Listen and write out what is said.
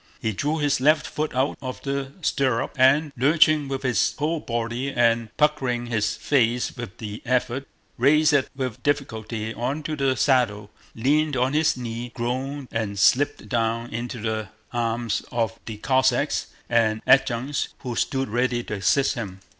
He drew his left foot out of the stirrup and, lurching with his whole body and puckering his face with the effort, raised it with difficulty onto the saddle, leaned on his knee, groaned, and slipped down into the arms of the Cossacks and adjutants who stood ready to assist him.